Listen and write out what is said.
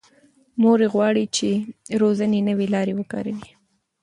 مور یې غواړي چې روزنې نوې لارې وکاروي.